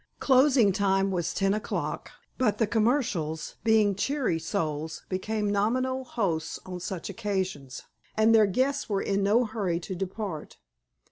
Closing time was ten o'clock, but the "commercials," being cheery souls, became nominal hosts on such occasions, and their guests were in no hurry to depart.